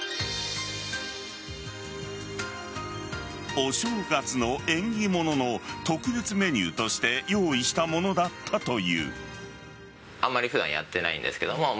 お正月の縁起物の特別メニューとして用意したものだったという。